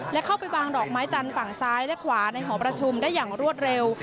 และเข้าไปวางดอกไม้จันทร์ฝั่งซ้ายและขวาในหอประชุมได้อย่างรวดเร็ว